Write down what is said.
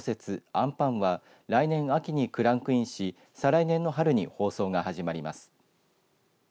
あんぱんは来年秋に、クランクインし再来年の春に放送が始まります。